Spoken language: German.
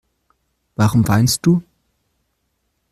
Warum weinst du?